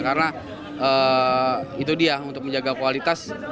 karena ee itu dia untuk menjaga kualitas